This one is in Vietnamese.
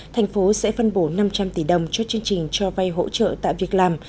thành phố sẽ phân bổ năm trăm linh tỷ đồng cho chương trình cho vay hỗ trợ tạo việc làm